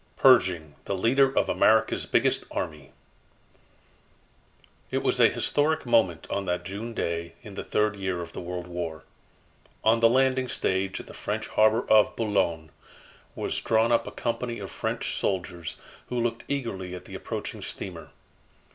PERSHING THE LEADER OF AMERICA'S BIGGEST ARMY It was a historic moment, on that June day, in the third year of the World War. On the landing stage at the French harbor of Boulogne was drawn up a company of French soldiers, who looked eagerly at the approaching steamer.